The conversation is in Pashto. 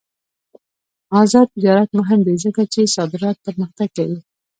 آزاد تجارت مهم دی ځکه چې صادرات پرمختګ کوي.